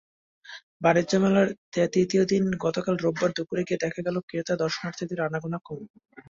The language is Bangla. বাণিজ্য মেলার তৃতীয় দিন গতকাল রোববার দুপুরে গিয়ে দেখা গেল, ক্রেতা-দর্শনার্থীর আনাগোনা কম।